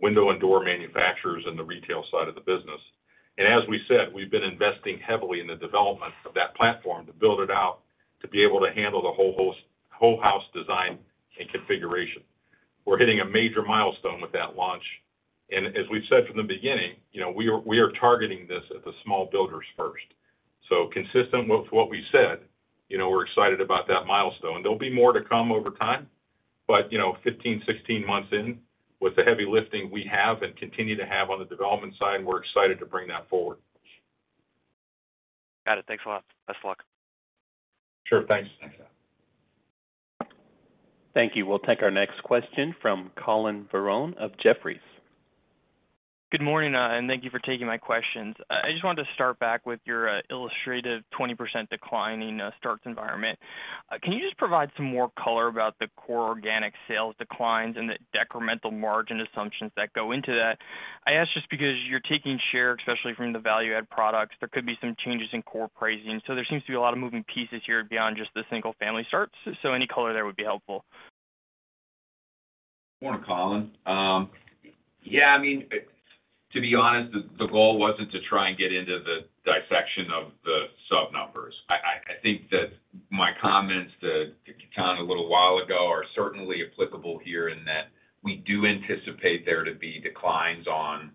window and door manufacturers and the retail side of the business. As we said, we've been investing heavily in the development of that platform to build it out to be able to handle the whole house design and configuration. We're hitting a major milestone with that launch. As we said from the beginning, we are targeting this at the small builders first. Consistent with what we said, we're excited about that milestone. There'll be more to come over time, but 15, 16 months in, with the heavy lifting we have and continue to have on the development side, we're excited to bring that forward. Got it. Thanks a lot. Best of luck. Sure. Thanks. Thank you. We'll take our next question from Collin Verron of Jefferies. Good morning. Thank you for taking my questions. I just wanted to start back with your illustrative 20% decline in starts environment. Can you just provide some more color about the core organic sales declines and the decremental margin assumptions that go into that? I ask just because you're taking share, especially from the value-add products. There could be some changes in core pricing. There seems to be a lot of moving pieces here beyond just the single-family starts. Any color there would be helpful. Morning, Collin. Yeah, to be honest, the goal wasn't to try and get into the dissection of the sub-numbers. I think that my comments to Ketan a little while ago are certainly applicable here. That we do anticipate there to be declines on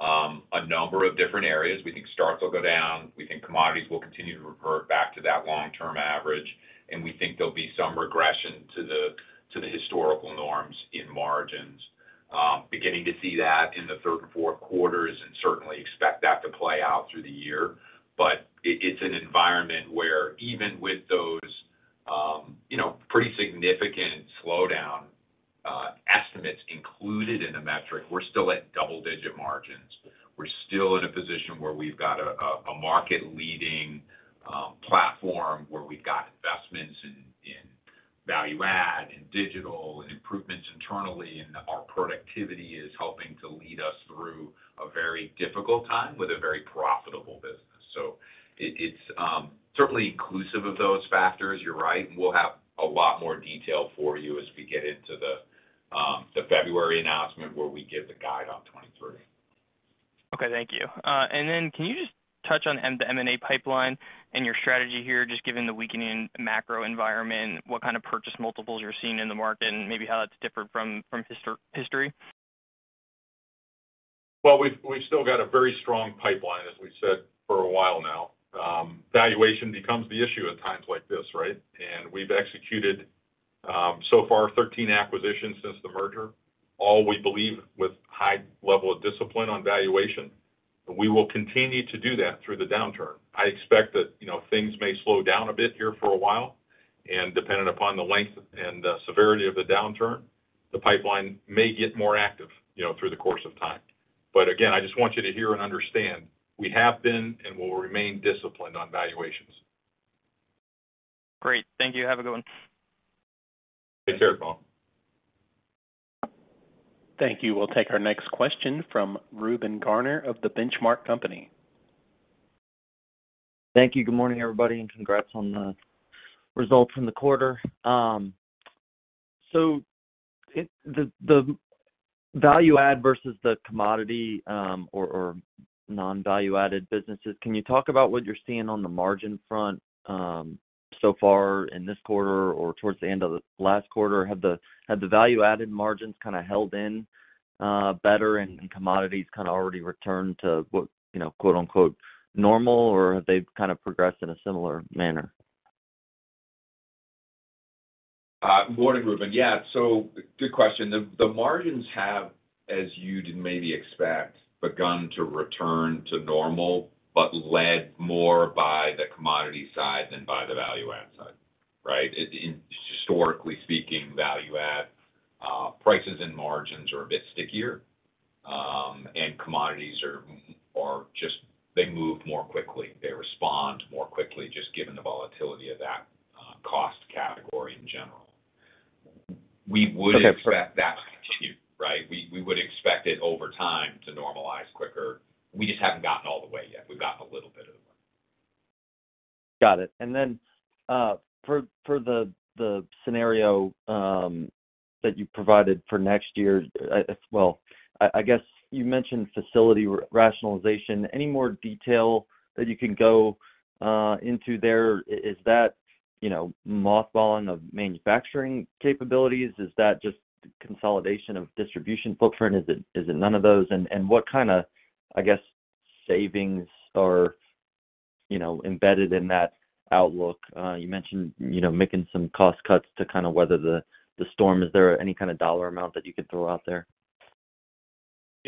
a number of different areas. We think starts will go down. We think commodities will continue to revert back to that long-term average. We think there'll be some regression to the historical norms in margins. Beginning to see that in the third and fourth quarters. Certainly expect that to play out through the year. It's an environment where even with those pretty significant slowdown estimates included in the metric, we're still at double-digit margins. We're still in a position where we've got a market-leading platform, where we've got investments in value add, in digital, improvements internally. Our productivity is helping to lead us through a very difficult time with a very profitable business. It's certainly inclusive of those factors, you're right. We'll have a lot more detail for you as we get into the February announcement where we give the guide on 2023. Okay, thank you. Can you just touch on the M&A pipeline and your strategy here, just given the weakening macro environment, what kind of purchase multiples you're seeing in the market, and maybe how that's different from history? Well, we've still got a very strong pipeline, as we said for a while now. Valuation becomes the issue at times like this, right? We've executed, so far, 13 acquisitions since the merger. All we believe with high level of discipline on valuation. We will continue to do that through the downturn. I expect that things may slow down a bit here for a while, and dependent upon the length and the severity of the downturn, the pipeline may get more active through the course of time. Again, I just want you to hear and understand, we have been and will remain disciplined on valuations. Great. Thank you. Have a good one. Take care, Collin. Thank you. We'll take our next question from Reuben Garner of The Benchmark Company. Thank you. Good morning, everybody, and congrats on the results from the quarter. The value add versus the commodity or non-value-added businesses, can you talk about what you're seeing on the margin front so far in this quarter or towards the end of the last quarter? Have the value-added margins kind of held in better and commodities kind of already returned to what, quote-unquote, "normal," or have they kind of progressed in a similar manner? Morning, Reuben. Yeah. Good question. The margins have, as you'd maybe expect, begun to return to normal, but led more by the commodity side than by the value add side, right? Historically speaking, value add prices and margins are a bit stickier. Commodities move more quickly. They respond more quickly, just given the volatility of that cost category in general. Okay. We would expect that to continue, right? We would expect it over time to normalize quicker. We just haven't gotten all the way yet. We've gotten a little bit of the way. Got it. For the scenario that you provided for next year. I guess you mentioned facility rationalization. Any more detail that you can go into there? Is that mothballing of manufacturing capabilities? Is that just consolidation of distribution footprint? Is it none of those? What kind of savings are embedded in that outlook? You mentioned making some cost cuts to weather the storm. Is there any kind of dollar amount that you could throw out there?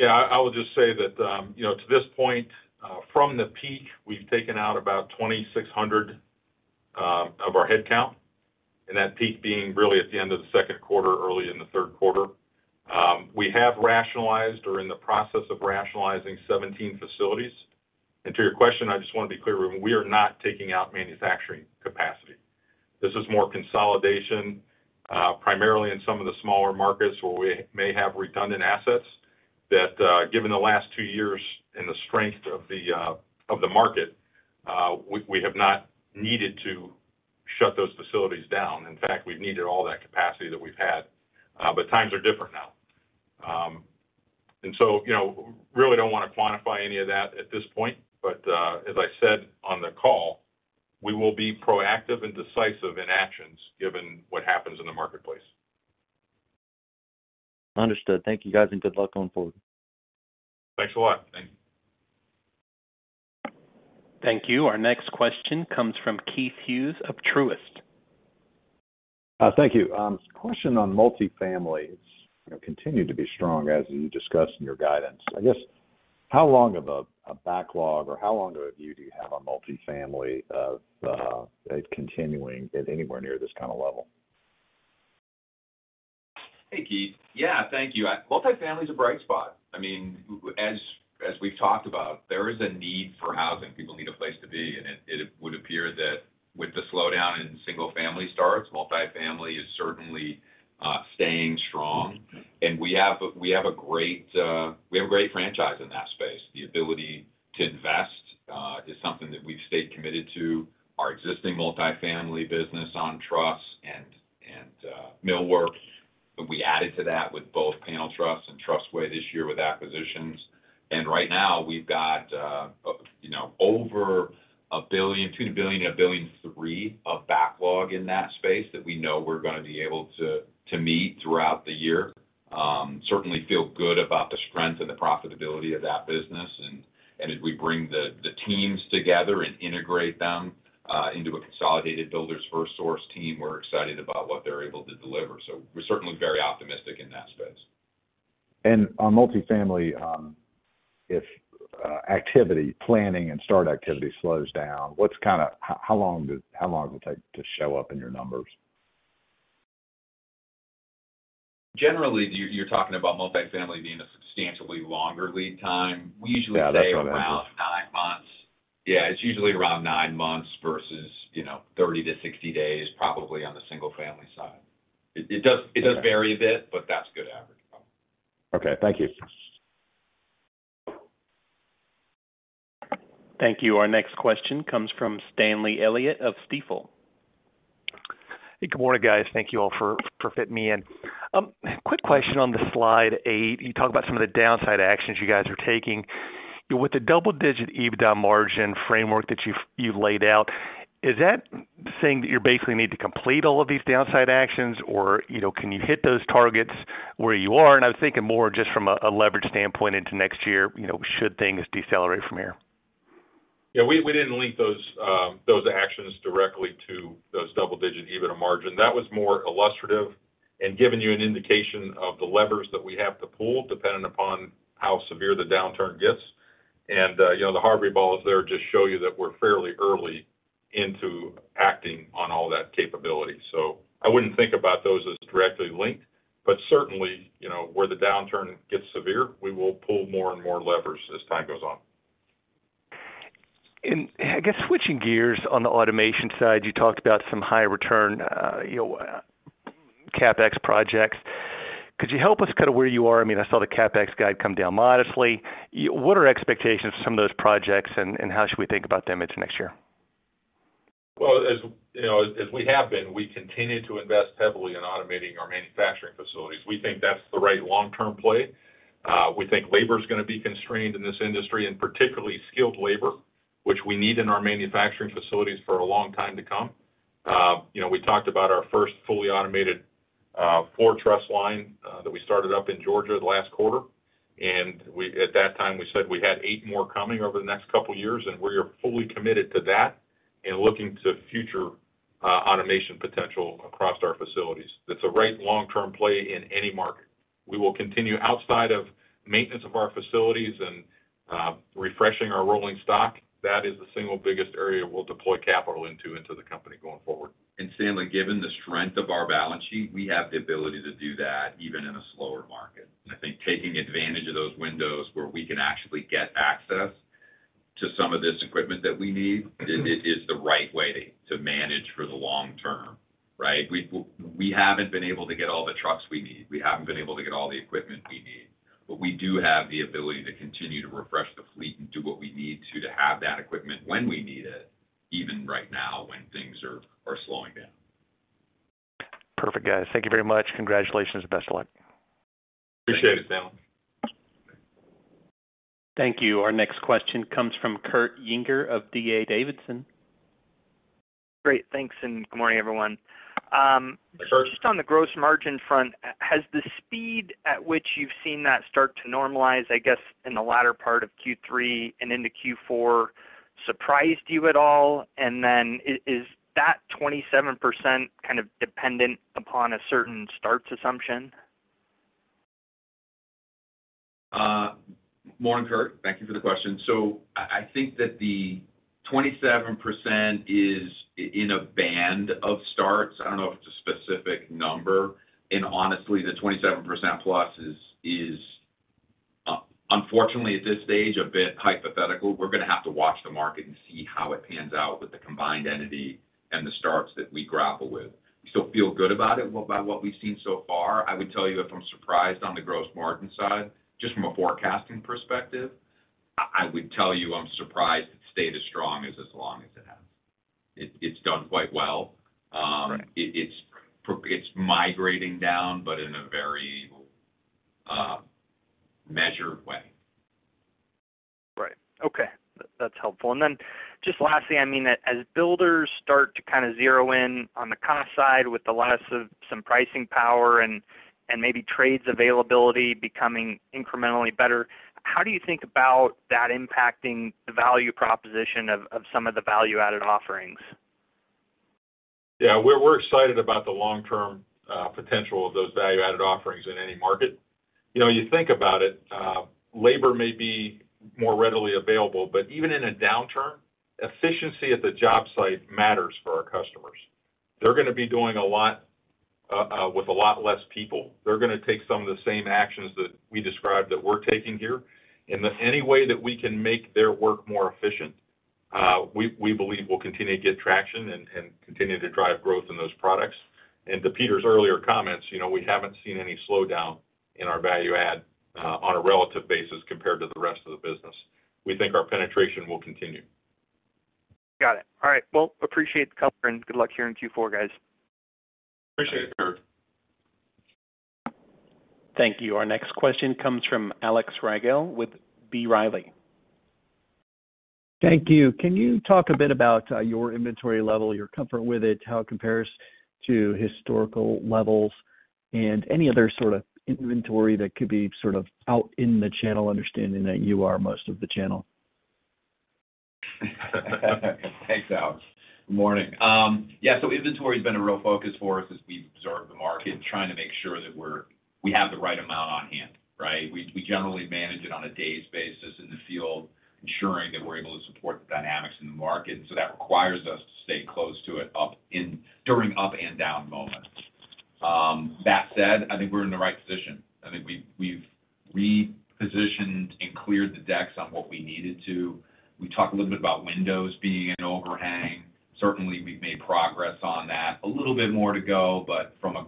I would just say that to this point, from the peak, we've taken out about 2,600 of our headcount, that peak being really at the end of the second quarter, early in the third quarter. We have rationalized or are in the process of rationalizing 17 facilities. To your question, I just want to be clear, Reuben, we are not taking out manufacturing capacity. This is more consolidation, primarily in some of the smaller markets where we may have redundant assets that given the last two years and the strength of the market, we have not needed to shut those facilities down. In fact, we've needed all that capacity that we've had. Times are different now. Really don't want to quantify any of that at this point. As I said on the call, we will be proactive and decisive in actions given what happens in the marketplace. Understood. Thank you, guys, and good luck going forward. Thanks a lot. Thank you. Thank you. Our next question comes from Keith Hughes of Truist. Thank you. Question on multifamily. It's continued to be strong as you discussed in your guidance. I guess. How long of a backlog, or how long of a view do you have on multifamily of it continuing at anywhere near this kind of level? Hey, Keith. Yeah, thank you. Multifamily is a bright spot. As we've talked about, there is a need for housing. People need a place to be, and it would appear that with the slowdown in single-family starts, multifamily is certainly staying strong. We have a great franchise in that space. The ability to invest is something that we've stayed committed to. Our existing multifamily business on trusses and millwork, we added to that with both Panel Truss and Trussway this year with acquisitions. Right now we've got over $1 billion, $2 billion, $1.3 billion of backlog in that space that we know we're going to be able to meet throughout the year. Certainly feel good about the strength and the profitability of that business. As we bring the teams together and integrate them into a consolidated Builders FirstSource team, we're excited about what they're able to deliver. We're certainly very optimistic in that space. On multifamily, if activity planning and start activity slows down, how long does it take to show up in your numbers? Generally, you're talking about multifamily being a substantially longer lead time. Yeah, that's what I'm asking. We usually say around nine months. Yeah, it's usually around nine months versus 30 to 60 days, probably on the single-family side. It does vary a bit, but that's a good average. Okay. Thank you. Thank you. Our next question comes from Stanley Elliott of Stifel. Hey, good morning, guys. Thank you all for fitting me in. Quick question on the slide eight, you talk about some of the downside actions you guys are taking. With the double-digit EBITDA margin framework that you've laid out, is that saying that you basically need to complete all of these downside actions? Can you hit those targets where you are? I was thinking more just from a leverage standpoint into next year, should things decelerate from here. Yeah, we didn't link those actions directly to those double-digit EBITDA margin. That was more illustrative and giving you an indication of the levers that we have to pull dependent upon how severe the downturn gets. The Harvey balls there just show you that we're fairly early into acting on all that capability. I wouldn't think about those as directly linked, but certainly, where the downturn gets severe, we will pull more and more levers as time goes on. I guess switching gears on the automation side, you talked about some high return CapEx projects. Could you help us kind of where you are? I saw the CapEx guide come down modestly. What are expectations for some of those projects, and how should we think about them into next year? Well, as we have been, we continue to invest heavily in automating our manufacturing facilities. We think that's the right long-term play. We think labor's going to be constrained in this industry, and particularly skilled labor, which we need in our manufacturing facilities for a long time to come. We talked about our first fully automated floor truss line that we started up in Georgia the last quarter, and at that time, we said we had eight more coming over the next couple of years, and we are fully committed to that and looking to future automation potential across our facilities. That's the right long-term play in any market. We will continue outside of maintenance of our facilities and refreshing our rolling stock. That is the single biggest area we'll deploy capital into the company going forward. Stanley, given the strength of our balance sheet, we have the ability to do that even in a slower market. I think taking advantage of those windows where we can actually get access to some of this equipment that we need is the right way to manage for the long term, right? We haven't been able to get all the trucks we need. We haven't been able to get all the equipment we need. We do have the ability to continue to refresh the fleet and do what we need to have that equipment when we need it, even right now when things are slowing down. Perfect, guys. Thank you very much. Congratulations. Best of luck. Appreciate it, Stanley. Thank you. Our next question comes from Kurt Yinger of D.A. Davidson. Great. Thanks, good morning, everyone. Hi, Kurt. Just on the gross margin front, has the speed at which you've seen that start to normalize, I guess, in the latter part of Q3 and into Q4 surprised you at all? Is that 27% kind of dependent upon a certain starts assumption? Morning, Kurt. Thank you for the question. I think that the 27% is in a band of starts. I don't know if it's a specific number. Honestly, the 27% plus is unfortunately at this stage, a bit hypothetical. We're going to have to watch the market and see how it pans out with the combined entity and the starts that we grapple with. We still feel good about it by what we've seen so far. I would tell you if I'm surprised on the gross margin side, just from a forecasting perspective, I would tell you I'm surprised it's stayed as strong as long as it has. It's done quite well. Right. It's migrating down, but in a very measured way. Right. Okay. That's helpful. Just lastly, as builders start to kind of zero in on the cost side with the loss of some pricing power and maybe trades availability becoming incrementally better, how do you think about that impacting the value proposition of some of the value-added offerings? Yeah, we're excited about the long-term potential of those value-added offerings in any market. You think about it, labor may be more readily available, but even in a downturn, efficiency at the job site matters for our customers. They're going to be doing a lot with a lot less people. They're going to take some of the same actions that we described that we're taking here. Any way that we can make their work more efficient, we believe will continue to get traction and continue to drive growth in those products. To Peter's earlier comments, we haven't seen any slowdown in our value add on a relative basis compared to the rest of the business. We think our penetration will continue. Got it. All right. Well, appreciate the color, good luck here in Q4, guys. Appreciate it, Kurt. Thank you. Our next question comes from Alex Rygiel with B. Riley. Thank you. Can you talk a bit about your inventory level, your comfort with it, how it compares to historical levels, and any other sort of inventory that could be sort of out in the channel, understanding that you are most of the channel? Thanks, Alex. Good morning. Inventory's been a real focus for us as we observe the market, trying to make sure that we have the right amount on hand, right? We generally manage it on a days basis in the field, ensuring that we're able to support the dynamics in the market. That requires us to stay close to it during up and down moments. That said, I think we're in the right position. I think we've repositioned and cleared the decks on what we needed to. We talked a little bit about windows being an overhang. Certainly, we've made progress on that. A little bit more to go, but from a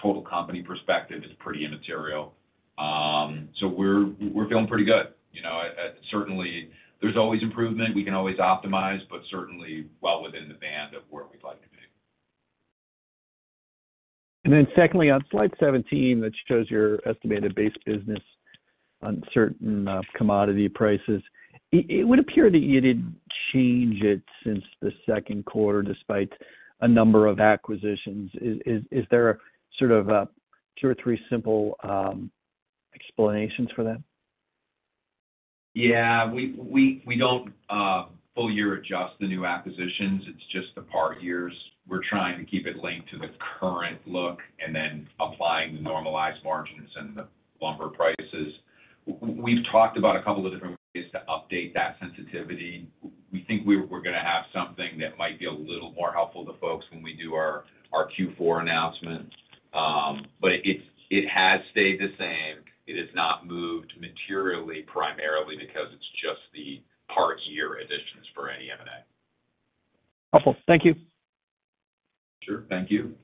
total company perspective, it's pretty immaterial. We're feeling pretty good. Certainly, there's always improvement. We can always optimize, but certainly well within the band of where we'd like to be. secondly, on slide 17, that shows your estimated base business on certain commodity prices. It would appear that you didn't change it since the second quarter, despite a number of acquisitions. Is there a sort of two or three simple explanations for that? Yeah. We don't full-year adjust the new acquisitions. It's just the part years. We're trying to keep it linked to the current look and then applying the normalized margins and the lumber prices. We've talked about a couple of different ways to update that sensitivity. We think we're going to have something that might be a little more helpful to folks when we do our Q4 announcement. It has stayed the same. It has not moved materially, primarily because it's just the part year additions for any M&A. Awesome. Thank you. Sure. Thank you.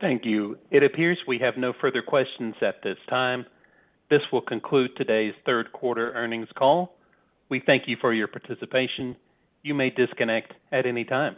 Thank you. It appears we have no further questions at this time. This will conclude today's third quarter earnings call. We thank you for your participation. You may disconnect at any time.